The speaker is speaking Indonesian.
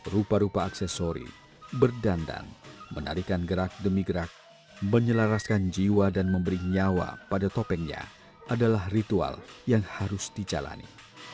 rupa rupa aksesori berdandan menarikan gerak demi gerak menyelaraskan jiwa dan memberi nyawa pada topengnya adalah ritual yang harus dijalani